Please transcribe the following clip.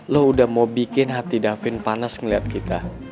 lo udah mau bikin hati davin panas ngeliat kita